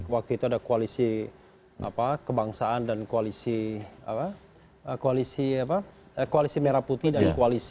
waktu itu ada koalisi kebangsaan dan koalisi merah putih dan koalisi